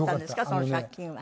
その借金は。